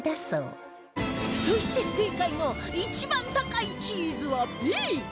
そして正解の一番高いチーズは Ｂ